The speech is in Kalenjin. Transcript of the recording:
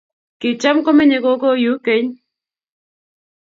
Kicham komennye kogo yu keny.